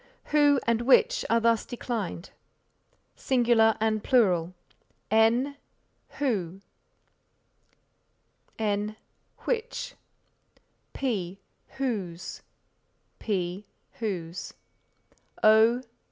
Who and which are thus declined: Sing. and Plural Sing. and Plural N. Who N. Which P. Whose P. Whose O.